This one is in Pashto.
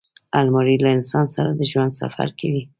الماري له انسان سره د ژوند سفر کوي